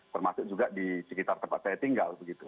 termasuk juga di sekitar tempat saya tinggal begitu